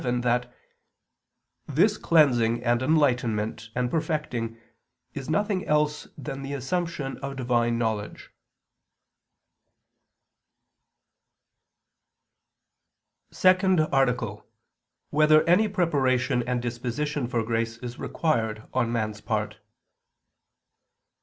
vii) that "this cleansing and enlightenment and perfecting is nothing else than the assumption of Divine knowledge." ________________________ SECOND ARTICLE [I II, Q. 112, Art. 2] Whether Any Preparation and Disposition for Grace Is Required on Man's Part?